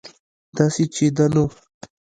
داسې چې ده نو